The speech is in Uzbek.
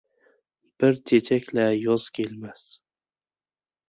• Bir chechak-la yoz kelmas.